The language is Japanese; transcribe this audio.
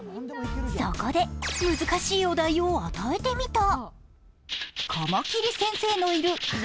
そこで難しいお題を与えてみた。